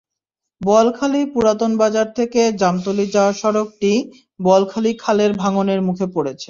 বোয়ালখালী পুরাতন বাজার থেকে জামতলী যাওয়ার সড়কটি বোয়ালখালী খালের ভাঙনের মুখে পড়েছে।